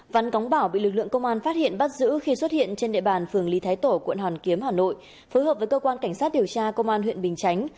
văn cống bảo bị lực lượng công an phát hiện bắt giữ khi xuất hiện trên địa bàn phường lý thái tổ quận hoàn kiếm hà nội phối hợp với cơ quan cảnh sát điều tra công an huyện bình chánh